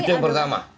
itu yang pertama